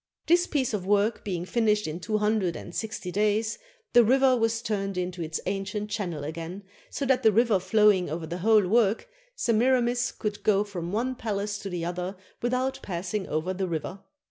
This piece of work being finished in two hundred and sixty days, the river was turned into its ancient channel again, so that the river flowing over the whole work, Semira mis could go from one palace to the other without pass ing over the river.